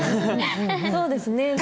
そうですね。